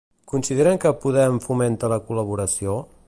Consideren que Podem fomenta la col·laboració?